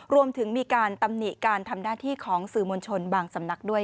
รวมถึงมีการตำหนิการทำหน้าที่ของสื่อมวลชนบางสำนักด้วย